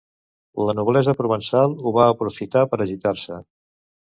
La noblesa provençal ho va aprofitar per agitar-se.